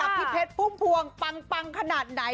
พี่เพชรพุ่มพวงปังขนาดไหน